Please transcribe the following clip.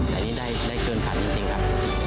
แต่อันนี้ได้เกินฝันจริงครับ